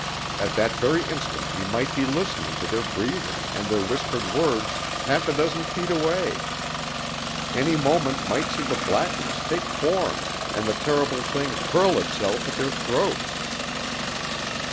At that very instant he might be listening to their breathing and their whispered words half a dozen feet away; any moment might see the blackness take form and the terrible thing hurl itself at their throats.